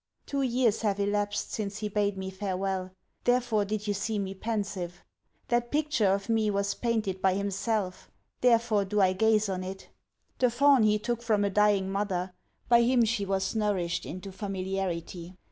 Two years have elapsed since he bade me farewel: therefore did you see me pensive. That picture of me was painted by himself: therefore do I gaze on it. The fawn he took from a dying mother; by him she was nourished into familiarity.